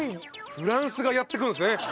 フランスがやってくるんですね